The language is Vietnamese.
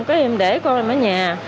cái em để con em ở nhà